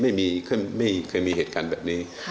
ไม่เคยมีเหตุการณ์แบบนี้